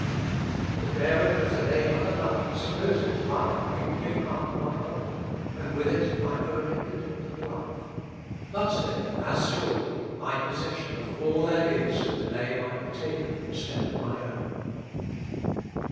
The bearing of the name of another supposes my having given up my own, and with it my own independent life ; but then, as surely, my possession of all there is in the name I have taken instead of my own.